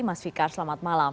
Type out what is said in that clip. mas fikar selamat malam